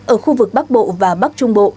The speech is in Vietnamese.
ở khu vực bắc bộ và bắc trung bộ